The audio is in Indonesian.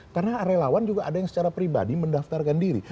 karena relawan juga ada yang secara pribadi mendaftarkan diri